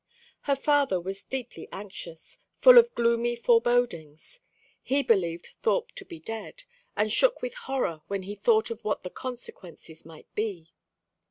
Her father was deeply anxious, full of gloomy forebodings. He believed Thorpe to be dead, and shook with horror when he thought of what the consequences might be.